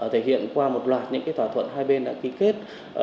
thể hiện qua một loạt những thỏa thuận hai bên đã ký kết